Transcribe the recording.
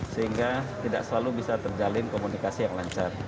sehingga tidak selalu bisa terjalin komunikasi yang lancar